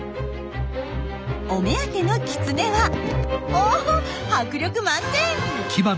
お目当てのキツネはお迫力満点！